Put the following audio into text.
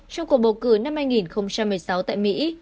trong cuộc bầu cử năm hai nghìn một mươi sáu tại mỹ